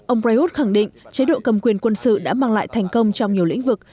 ông prayuth khẳng định chế độ cầm quyền quân sự đã mang lại thành công trong nhiều lĩnh vực